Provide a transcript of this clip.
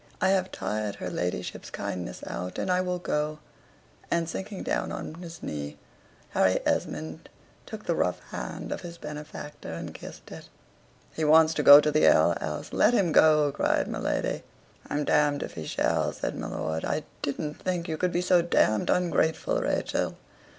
I have tired her ladyship's kindness out, and I will go;" and, sinking down on his knee, Harry Esmond took the rough hand of his benefactor and kissed it. "He wants to go to the ale house let him go," cried my lady. "I'm d d if he shall," said my lord. "I didn't think you could be so d d ungrateful, Rachel."